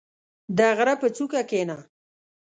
• د غره په څوکه کښېنه.